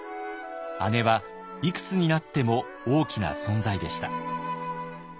姉はいくつになっても大きな存在でした。